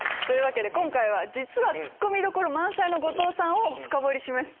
今回実はツッコミどころ満載の後藤さんを深掘りします。